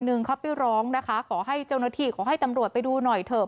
หนึ่งเขาไปร้องนะคะขอให้เจ้าหน้าที่ขอให้ตำรวจไปดูหน่อยเถอะ